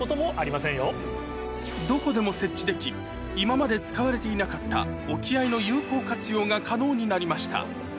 どこでも設置でき今まで使われていなかった沖合の有効活用が可能になりました